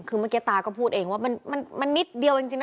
คือเมื่อกี้ตาก็พูดเองว่ามันนิดเดียวจริงนะ